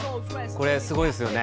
これすごいですよね。